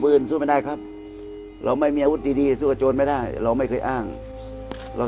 สู้ไม่ได้ครับเราไม่มีอาวุธดีสู้กับโจรไม่ได้เราไม่เคยอ้างเรา